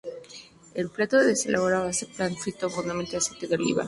El plato se elabora a base de pan frito en abundante aceite de oliva.